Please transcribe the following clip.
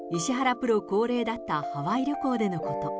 プロ恒例だったハワイ旅行でのこと。